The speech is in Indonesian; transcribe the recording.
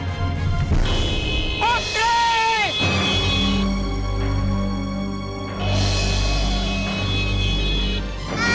eh kamu ngapain di situ